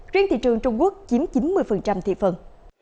riêng thị trường trung quốc chiếm chín mươi thị phần